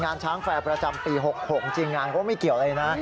งานช้างแฟร์ประจำปี๖๖จริงงานเขาไม่เกี่ยวอะไรนะ